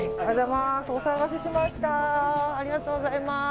ありがとうございます。